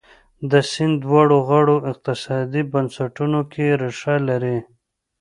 د سیند دواړو غاړو اقتصادي بنسټونو کې ریښه لري.